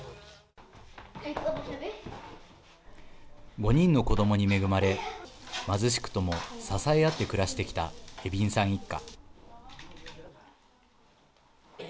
５人の子どもに恵まれ貧しくとも支え合って暮らしてきたエビンさん一家。